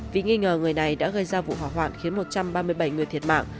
vì nghi ngờ người này đã gây ra vụ hỏa hoạn khiến một trăm ba mươi bảy người thiệt mạng